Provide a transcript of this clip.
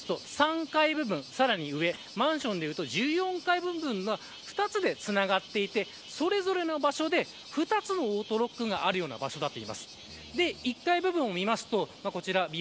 実際見てみると大型商業施設から３階部分さらに上マンションでいうと１４階部分の２つでつながっていてそれぞれの場所で２つのオートロックがあるような場所です。